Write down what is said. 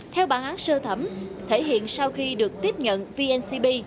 theo bản án sơ thẩm thể hiện sau khi được tiếp nhận vncb